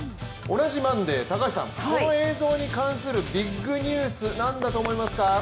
同じマンデー、この映像に関するビッグニュースなんだと思いますか？